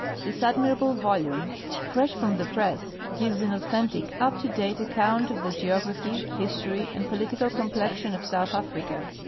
This admirable volume, fresh from the press, gives an authentic, "up to date " account of the geography, history, and political complexion of South Africa.